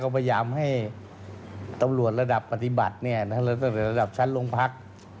ก็พยายามให้ตำรวจระดับปฏิบัติระดับชั้นลงพัก